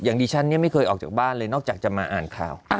ดิฉันเนี่ยไม่เคยออกจากบ้านเลยนอกจากจะมาอ่านข่าว